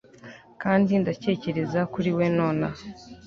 kandi ndatekereza kuri we nonaha